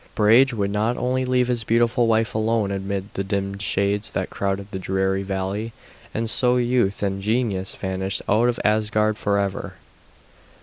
Brage would not leave his beautiful wife alone amid the dim shades that crowded the dreary valley, and so youth and genius vanished out of Asgard forever.